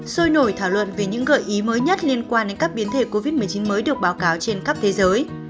sôi nổi thảo luận về những gợi ý mới nhất liên quan đến các biến thể covid một mươi chín mới được báo cáo trên khắp thế giới